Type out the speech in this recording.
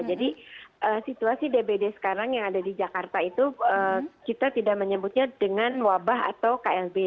jadi situasi dbd sekarang yang ada di jakarta itu kita tidak menyebutnya dengan wabah atau klb